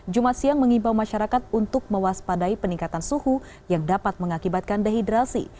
jumat siang mengimbau masyarakat untuk mewaspadai peningkatan suhu yang dapat mengakibatkan dehidrasi